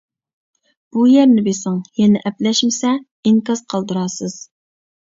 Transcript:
بۇ يەرنى بېسىڭ يەنە ئەپلەشمىسە ئىنكاس قالدۇرارسىز.